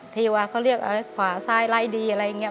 ควาไซล์ไล่ดีอะไรอย่างเงี้ย